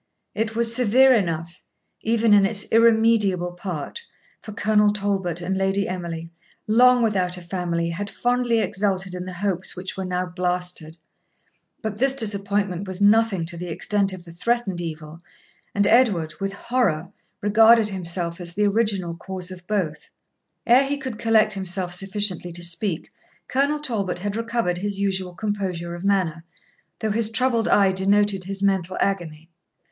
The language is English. It was severe enough, even in its irremediable part; for Colonel Talbot and Lady Emily, long without a family, had fondly exulted in the hopes which were now blasted. But this disappointment was nothing to the extent of the threatened evil; and Edward, with horror, regarded himself as the original cause of both. Ere he could collect himself sufficiently to speak, Colonel Talbot had recovered his usual composure of manner, though his troubled eye denoted his mental agony.